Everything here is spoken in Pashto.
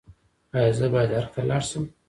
ایا زه باید ارګ ته لاړ شم؟